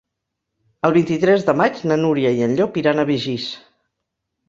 El vint-i-tres de maig na Núria i en Llop iran a Begís.